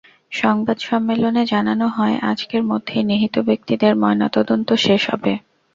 সংবাদ সম্মেলনে জানানো হয়, আজকের মধ্যেই নিহত ব্যক্তিদের ময়নাতদন্ত শেষ হবে।